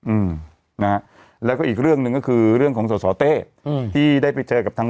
อืมนะฮะแล้วก็อีกเรื่องหนึ่งก็คือเรื่องของสอสอเต้อืมที่ได้ไปเจอกับทาง